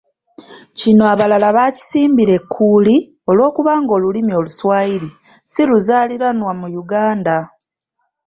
Kino abalala baakisimbira ekkuuli olw’okubanga olulimi Oluswayiri si luzaaliranwa mu Yuganda.